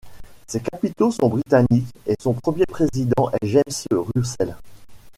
Ses capitaux sont britanniques et son premier président est James Russel.